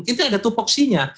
itu ada tupuksinya